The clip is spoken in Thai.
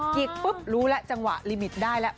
หยิกพึ้นจังหวะรีมิตได้ละ